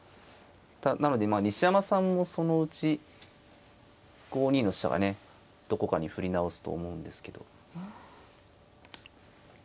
なので西山さんもそのうち５二の飛車がねどこかに振り直すと思うんですけど。